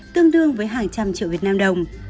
tương đương với hàng trăm triệu việt nam đồng